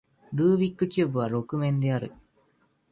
ルービックキューブは六面である